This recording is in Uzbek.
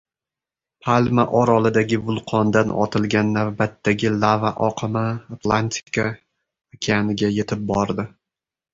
Palma orolidagi vulqondan otilgan navbatdagi lava oqimi Atlantika okeaniga yetib bordi